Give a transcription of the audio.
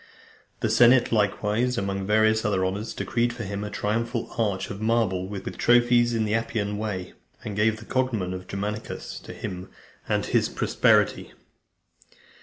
The senate likewise, among various other honours, decreed for him a triumphal arch of marble, with trophies, in the Appian Way, and gave the cognomen of Germanicus to him and his posterity.